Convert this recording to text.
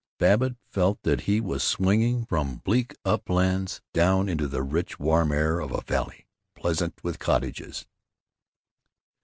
Babbitt felt that he was swinging from bleak uplands down into the rich warm air of a valley pleasant with cottages.